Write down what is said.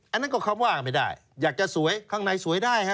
อันนั้นก็คำว่าไม่ได้อยากจะสวยข้างในสวยได้ฮะ